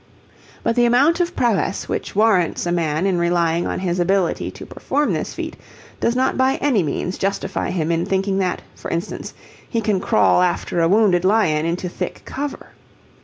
But the amount of prowess which warrants a man in relying on his ability to perform this feat does not by any means justify him in thinking that, for instance, he can crawl after a wounded lion into thick cover.